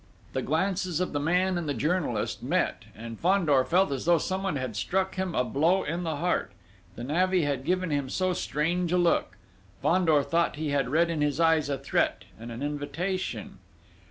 The glances of the man and the journalist met, and Fandor felt as though someone had struck him a blow on the heart! The navvy had given him so strange a look. Fandor thought he had read in his eyes a threat and an invitation.